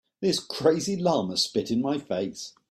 This crazy llama spit in my face.